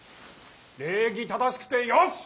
礼儀正しくてよし！